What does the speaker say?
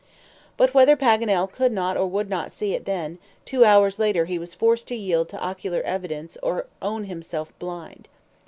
But whether Paganel could not or would not see it then, two hours later he was forced to yield to ocular evidence or own himself blind.